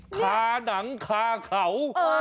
ฆ่านังฆ่าเขา